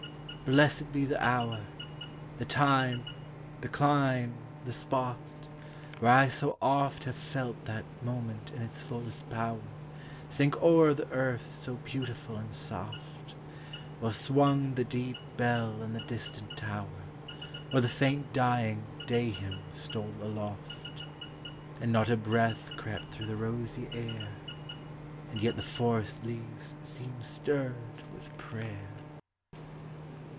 blessed be the hour, The time, the clime, the spot, where I so oft Have felt that moment in its fullest power Sink o'er the earth so beautiful and soft, While swnng the deep bell in the distant tower Or the faint dying day hymn stole aloft, And not a breath cept through the rosy air, And yet the forest leaves seemed stirred With prayer.